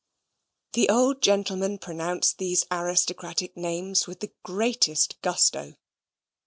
The old gentleman pronounced these aristocratic names with the greatest gusto.